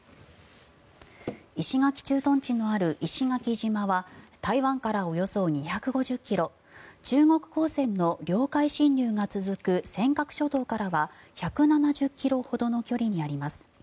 石垣駐屯地のある石垣島は台湾からおよそ２５０ｋｍ中国公船の領海侵入が続く尖閣諸島からは１７０ｋｍほどの距離にあります。